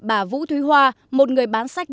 bà vũ thúy hoa một người bán sách